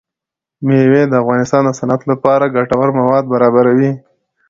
مېوې د افغانستان د صنعت لپاره ګټور مواد برابروي.